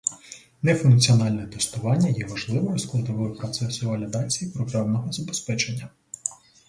Нефункціональне тестування є важливою складовою процесу валідації програмного забезпечення.